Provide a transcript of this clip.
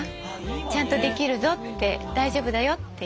「ちゃんとできるぞ」って「大丈夫だよ」っていう。